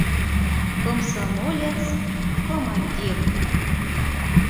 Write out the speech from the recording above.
Комсомолец-командир!